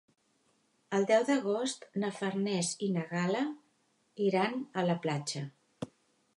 El deu d'agost na Farners i na Gal·la iran a la platja.